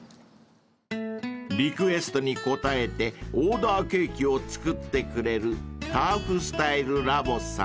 ［リクエストに応えてオーダーケーキを作ってくれるＴｕｒｆＳｔｙｌｅＬａｂ．さん］